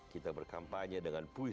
kita berkampanye dengan pujian